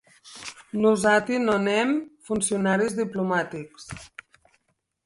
Nosati non èm foncionaris diplomatics.